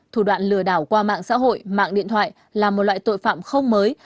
thủ đoạn lừa đảo qua mạng xã hội mạng điện thoại là một loại tội phạm không mới